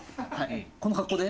この格好で？